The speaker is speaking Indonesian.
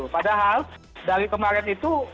padahal dari kemarin itu